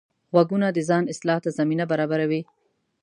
غوږونه د ځان اصلاح ته زمینه برابروي